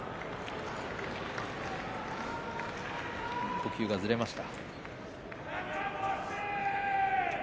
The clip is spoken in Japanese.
呼吸がずれました。